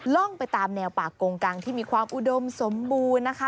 ร่องไปตามแนวป่ากงกังที่มีความอุดมสมบูรณ์นะคะ